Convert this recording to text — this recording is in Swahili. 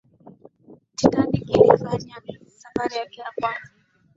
titanic ilifanya safari yake ya kwanza